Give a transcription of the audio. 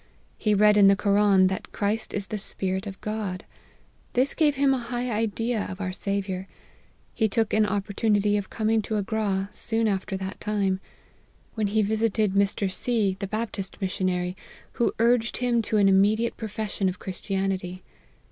He read in the Koran, that Christ is the Spirit of God. This gave him a high idea of our Saviour. He took an opportunity of coming to Agra soon aftei that time, when he visited Mr. C. the Baptist mis APPENDIX. 235 sionary, who urged him to an immediate profession of Christianity.